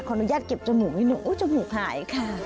อนุญาตเก็บจมูกนิดนึงจมูกหายค่ะ